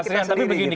jelas mengalihan isu